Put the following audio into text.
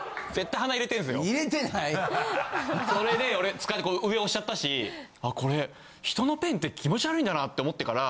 それで俺上押しちゃったしあこれ人のペンって気持ち悪いんだなって思ってから。